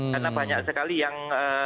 karena banyak sekali yang